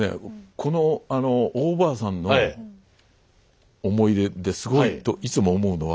このあの大おばあさんの思い出ってすごいいつも思うのは。